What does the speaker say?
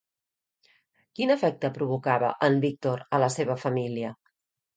Quin efecte provocava en Víctor a la seva família?